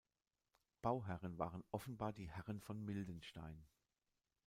Bauherren waren offenbar die Herren von Mildenstein.